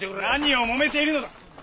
何をもめているのだ。